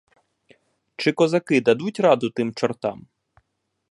Чи козаки дадуть раду тим чортам?